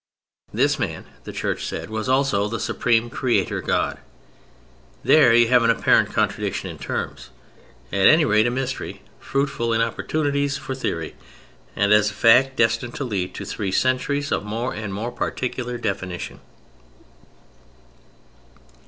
This Man (the Church said) was also the supreme Creator God. There you have an apparent contradiction in terms, at any rate a mystery, fruitful in opportunities for theory, and as a fact destined to lead to three centuries of more and more particular definition.